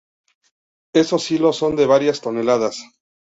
Esos silos son de varias toneladas.